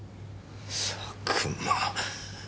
佐久間。